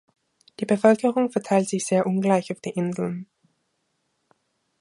Die Bevölkerung verteilt sich sehr ungleich auf die Inseln.